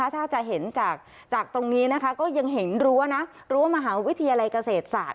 ถ้าจะเห็นจากตรงนี้นะคะก็ยังเห็นรั้วนะรั้วมหาวิทยาลัยเกษตรศาสต